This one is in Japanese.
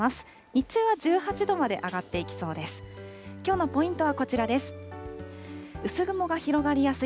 日中は１８度まで上がっていきそうです。